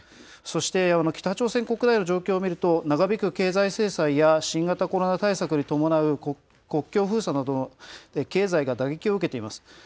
そして、北朝鮮国内の状況を見ると、長引く経済制裁や新型コロナ対策に伴う国境封鎖など、経済が打撃を受けています。